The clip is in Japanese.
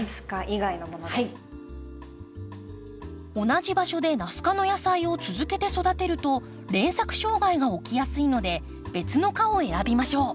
同じ場所でナス科の野菜を続けて育てると連作障害が起きやすいので別の科を選びましょう。